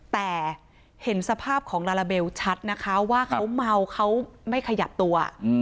แต่เห็นสภาพของลาลาเบลชัดนะคะว่าเขาเมาเขาไม่ขยับตัว